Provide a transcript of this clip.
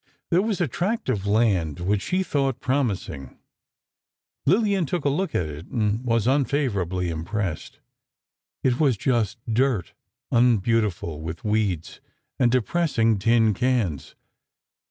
There was a tract of land which she thought promising. Lillian took a look at it, and was unfavorably impressed. It was just dirt—unbeautiful with weeds, and depressing tin cans.